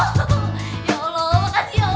selama lu tinggal kasihku